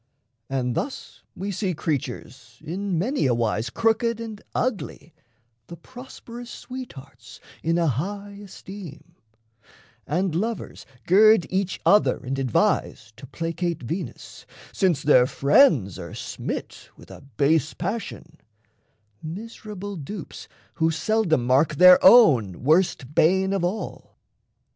And thus we see Creatures in many a wise crooked and ugly The prosperous sweethearts in a high esteem; And lovers gird each other and advise To placate Venus, since their friends are smit With a base passion miserable dupes Who seldom mark their own worst bane of all.